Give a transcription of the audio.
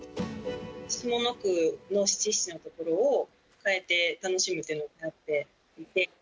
下の句の七七のところを変えて楽しむっていうのがあって。